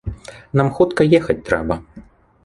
Нам хутка ехаць трэба.